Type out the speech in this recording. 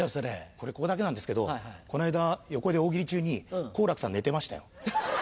これここだけなんですけどこの間横で大喜利中に好楽さん寝てましたよ。